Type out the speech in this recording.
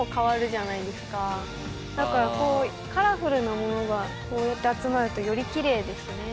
だからこうカラフルなものがこうやって集まるとよりきれいですね。